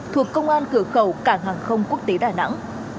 thuộc công an cửa khẩu cảng hàng không quốc tế đà nẵng